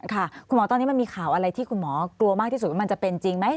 ค่ะคุณหมอตอนนี้มันมีข่าวอะไรที่คุณหมอกลัวมากที่สุดว่ามันจะเป็นจริงไหม